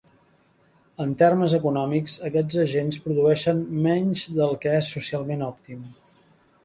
En termes econòmics, aquests agents produeixen menys del que és socialment òptim.